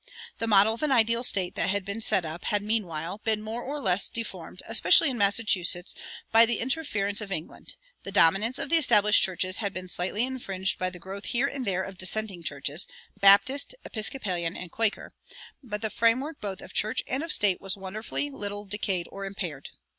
The model of an ideal state that had been set up had, meanwhile, been more or less deformed, especially in Massachusetts, by the interference of England; the dominance of the established churches had been slightly infringed by the growth here and there of dissenting churches, Baptist, Episcopalian, and Quaker; but the framework both of church and of state was wonderfully little decayed or impaired.